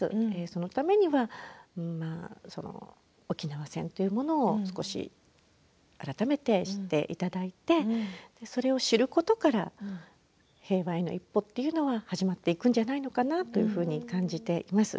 そのためには沖縄戦というものを少し、改めて知っていただいてそれを知ることから平和への一歩というのは始まっていくんじゃないのかなと感じています。